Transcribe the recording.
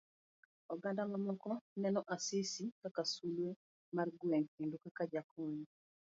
Oganda mamoko neneno Asisi kaka sulwe mar gweng kendo kaka jakony.